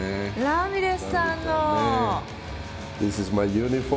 ラミレスさんの！